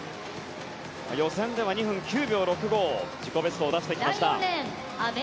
予選では２分９秒６５自己ベストを出してきました。